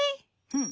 うん。